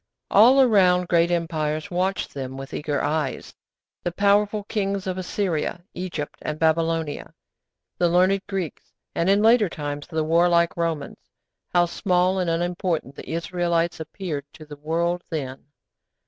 All around great empires watched them with eager eyes; the powerful kings of Assyria, Egypt, and Babylonia, the learned Greeks, and, in later times, the warlike Romans. How small and unimportant the Israelites appeared to the world then!